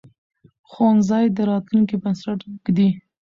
ښوونځی د راتلونکي بنسټ ږدي